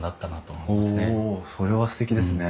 それはすてきですね。